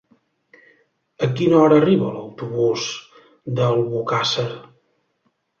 A quina hora arriba l'autobús d'Albocàsser?